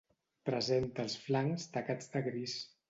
Presenta els flancs tacats de gris.